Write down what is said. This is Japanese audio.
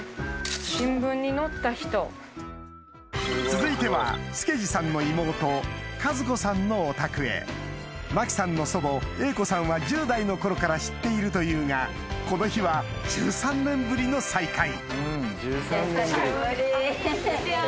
続いては助二さんの妹カズコさんのお宅へ麻貴さんの祖母榮子さんは１０代の頃から知っているというがこの日は１３年ぶりの再会